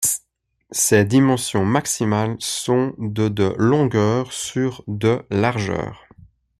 Ses dimensions maximales sont de de longueur sur de largeur.